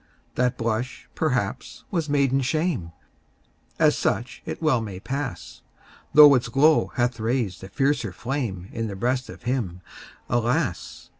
That blush, perhaps, was maiden shame As such it well may pass Though its glow hath raised a fiercer flame In the breast of him, alas!